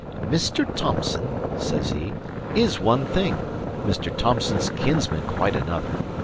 "Mr. Thomson," says he, "is one thing, Mr. Thomson's kinsman quite another.